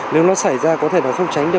nếu nó xảy ra có thể nó không tránh được